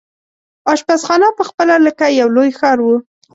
اشپزخانه پخپله لکه یو لوی ښار وو.